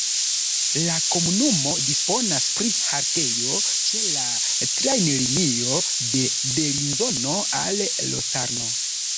La komunumo disponas pri haltejo ĉe la trajnlinio de Belinzono al Locarno.